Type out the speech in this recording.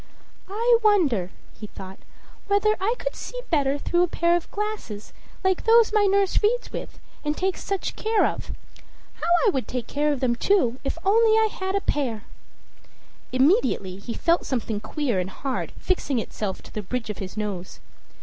"I wonder," he thought, "whether I could see better through a pair of glasses like those my nurse reads with, and takes such care of. How I would take care of them, too, if I only had a pair!" Immediately he felt something queer and hard fixing itself to the bridge of his nose.